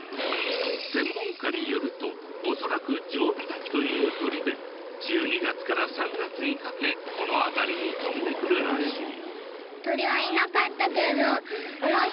専門家によると恐らくジョウビタキという鳥で１２月から３月にかけこの辺りに飛んでくるらしい。